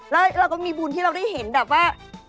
แล้วเราก็มีบุญที่เราได้เห็นแบบว่า